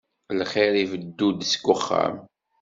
Lxir ibeddu-d seg uxxam.